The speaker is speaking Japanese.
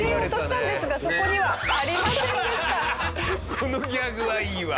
このギャグはいいわ！